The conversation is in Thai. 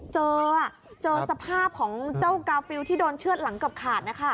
เจอเจอสภาพของเจ้ากาฟิลที่โดนเชื่อดหลังเกือบขาดนะคะ